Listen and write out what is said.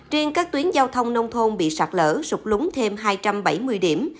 riêng các tuyến giao thông nông thôn bị sạt lở sụt lún thêm hai trăm bảy mươi điểm